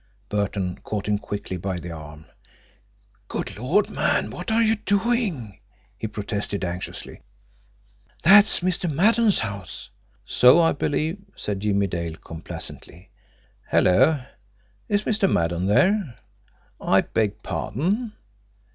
Burton caught him quickly by the arm. "Good Lord, man, what are you doing?" he protested anxiously. "That's Mr. Maddon's house!" "So I believe," said Jimmie Dale complacently. "Hello! Is Mr. Maddon there? ... I beg pardon?